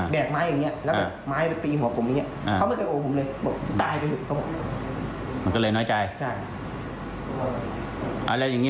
แบกไม้อย่างนี้แล้วก็ไม้ตีห่อผมอย่างนี้